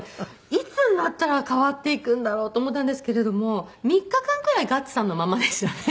いつになったら変わっていくんだろうと思ったんですけれども３日間ぐらいガッツさんのままでしたね。